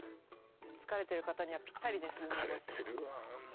疲れてる方にはピッタリですね